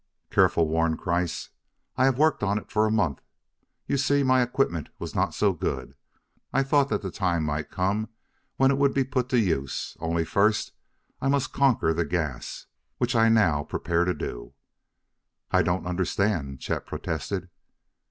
"Careful!" warned Kreiss. "I have worked on it for a month; you see, my equipment was not so good. I thought that the time might come when it would be put to use, only first I must conquer the gas which I now prepare to do." "I don't understand," Chet protested.